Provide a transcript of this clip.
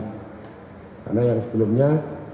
karena yang sebelumnya